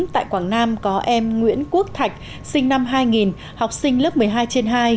tại quảng nam có em nguyễn quốc thạch sinh năm hai nghìn học sinh lớp một mươi hai trên hai